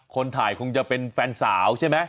คนถ่ายคงจะเป็นแฟนสาวใช่ไหม